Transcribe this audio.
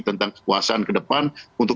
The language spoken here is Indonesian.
tentang kekuasaan kedepan untuk